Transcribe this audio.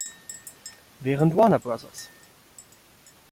Während "Warner Bros.